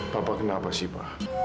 papa kenapa sih pak